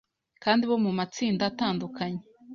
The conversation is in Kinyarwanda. kandi bo mu matsinda atandukanye